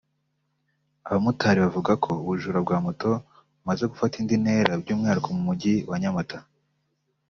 Abamotari bavuga ko ubujura bwa Moto bumaze gufata indi ntera by’umwihariko mu mujyi wa Nyamata